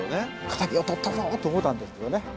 「敵を取ったぞ！」と思ったんですけどね。